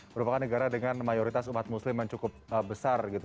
merupakan negara dengan mayoritas umat muslim yang cukup besar gitu